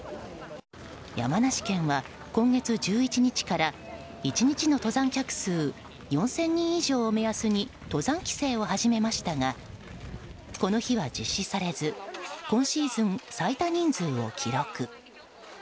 山梨県は今月１１日から１日の登山客数４０００人以上を目安に登山規制を始めましたがこの日は実施されず今シーズン最多人数を記録。